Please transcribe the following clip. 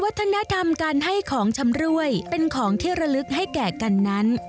วัฒนธรรมการให้ของชำรวยเป็นของที่ระลึกให้แก่กันนั้น